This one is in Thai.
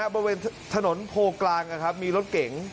บริเวณถนนโพกลางมีรถเก๋ง